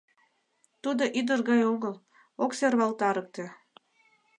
Тудо ӱдыр гай огыл, ок сӧрвалтарыкте.